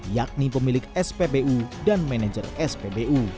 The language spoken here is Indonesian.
yakni pemilik spbu dan manajer spbu